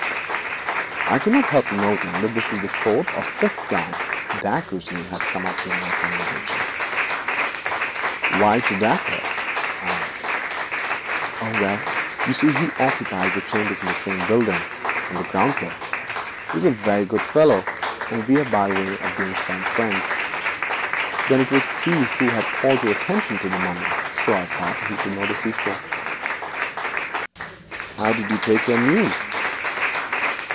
I could not help noting that this was the fourth or fifth time Dacre's name had come up during our conversation. 'What of Dacre?' I asked. 'Oh, well, you see, he occupies chambers in the same building on the ground floor. He is a very good fellow, and we are by way of being firm friends. Then it was he who had called attention to the money, so I thought he should know the sequel.' 'How did he take your news?'